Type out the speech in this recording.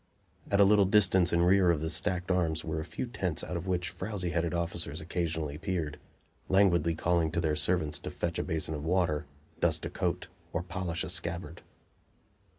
At a little distance in rear of the stacked arms were a few tents out of which frowsy headed officers occasionally peered, languidly calling to their servants to fetch a basin of water, dust a coat or polish a scabbard.